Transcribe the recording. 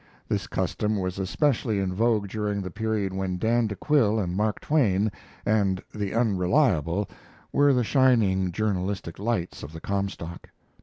This custom was especially in vogue during the period when Dan de Quille and Mark Twain and The Unreliable were the shining journalistic lights of the Comstock.